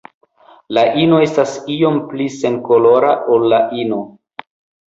La ino estas iom pli senkolora ol la ino.